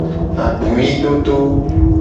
Abuidodo.